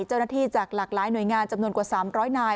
จากหลากหลายหน่วยงานจำนวนกว่า๓๐๐นาย